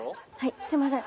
すいません。